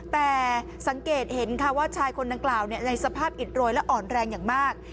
แต่สังเกตเห็นค่ะว่าชายคนดังกล่าวในสภาพอิดโรยและอ่อนแรงอย่างมาก